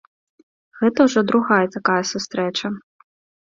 Гэта ўжо другая такая сустрэча.